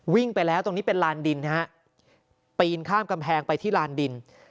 ไปแล้วตรงนี้เป็นลานดินนะฮะปีนข้ามกำแพงไปที่ลานดิน